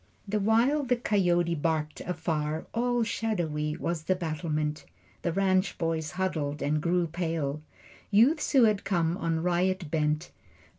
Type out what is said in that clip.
The while the coyote barked afar All shadowy was the battlement. The ranch boys huddled and grew pale, Youths who had come on riot bent.